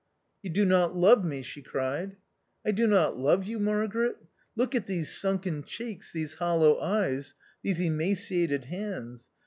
" You do not love me," she cried. " I do not love you, Margaret ! Look at these sunken cheeks, these hollow eyes, these emaciated hands.